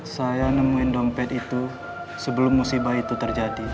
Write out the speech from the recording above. saya nemuin dompet itu sebelum musibah itu terjadi